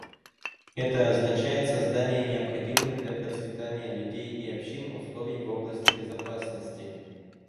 Это означает создание необходимых для процветания людей и общин условий в области безопасности.